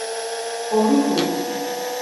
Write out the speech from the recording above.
ორი ბურთი.